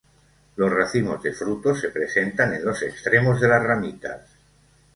Los racimos de frutos se presentan en los extremos de las ramitas.